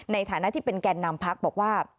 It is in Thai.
ในฐานะที่เป็นแก่นนำพักบอกว่า